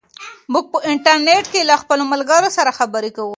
موږ په انټرنیټ کې له خپلو ملګرو سره خبرې کوو.